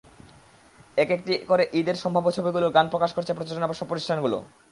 একটি একটি করে ঈদের সম্ভাব্য ছবিগুলোর গান প্রকাশ করছে প্রযোজনা প্রতিষ্ঠানগুলো।